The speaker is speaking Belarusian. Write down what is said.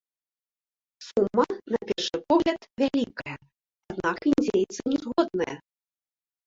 Сума, на першы погляд, вялікая, аднак індзейцы не згодныя.